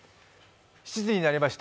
７時になりました。